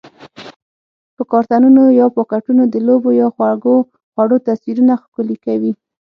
په کارتنونو یا پاکټونو د لوبو یا خوږو خوړو تصویرونه ښکلي کوي؟